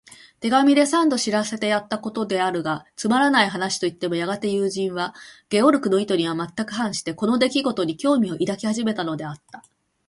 手紙で三度知らせてやったことであるが、つまらない話といってもやがて友人は、ゲオルクの意図にはまったく反して、この出来ごとに興味を抱き始めたのだった。